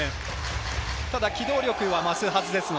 ただ機動力は増すはずです。